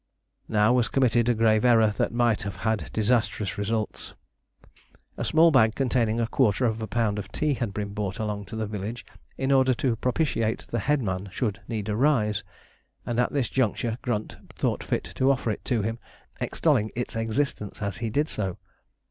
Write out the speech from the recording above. Now was committed a grave error that might have had disastrous results. A small bag containing ¼ lb. of tea had been brought along to the village, in order to propitiate the headman should need arise, and at this juncture Grunt thought fit to offer it to him, extolling its excellence as he did so.